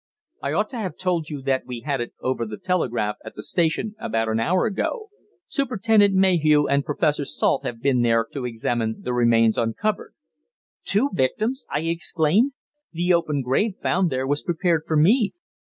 I ought to have told you that we had it over the telegraph at the station about an hour ago. Superintendent Mayhew and Professor Salt have been there to examine the remains recovered." "Two victims!" I exclaimed. "The open grave found there was prepared for me!"